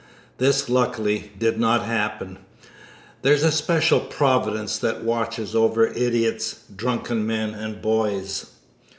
This, luckily, did not happen. There's a special Providence that watches over idiots, drunken men, and boys.